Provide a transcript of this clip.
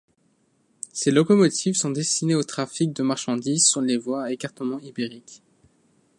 Ces locomotives sont destinées au trafic de marchandises sur les voies à écartement ibérique.